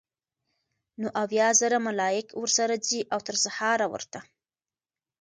نو اويا زره ملائک ورسره ځي؛ او تر سهاره ورته